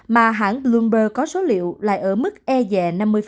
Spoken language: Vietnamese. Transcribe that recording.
và hãng bloomberg có số liệu lại ở mức e dẹ năm mươi